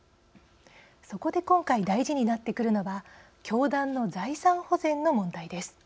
そこで今回大事になってくるのは教団の財産保全の問題です。